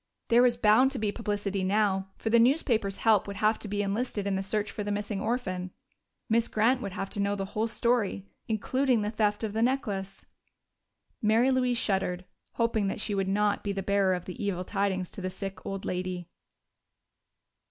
There was bound to be publicity now, for the newspapers' help would have to be enlisted in the search for the missing orphan. Miss Grant would have to know the whole story, including the theft of the necklace.... Mary Louise shuddered, hoping that she would not be the bearer of the evil tidings to the sick old lady.